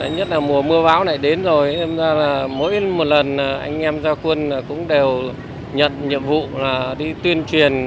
nhất là mùa mưa báo này đến rồi mỗi lần anh em gia quân cũng đều nhận nhiệm vụ đi tuyên truyền